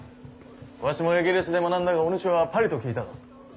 わしもエゲレスで学んだがお主はパリと聞いたぞ。